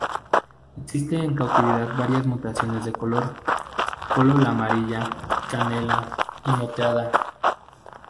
Existe en cautividad varias mutaciones de color, colo la amarilla, canela y moteada.